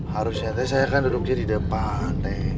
harusnya teh saya kan duduk aja di depan teh